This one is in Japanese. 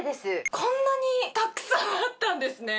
こんなにたくさんあったんですね。